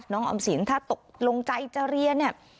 ออมสินถ้าตกลงใจจะเรียนเนี่ย